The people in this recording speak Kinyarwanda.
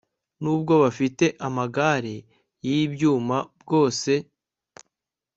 n'ubwo bafite amagare y'ibyuma bwose